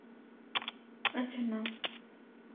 আচ্ছা, নাও।